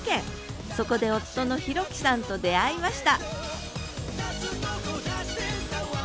そこで夫の弘樹さんと出会いました